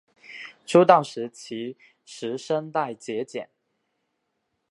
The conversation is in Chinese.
出道时其实声带结茧。